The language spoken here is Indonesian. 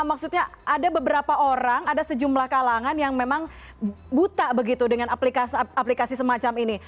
maksudnya ada beberapa orang ada sejumlah kalangan yang memang buta begitu dengan aplikasi semacam ini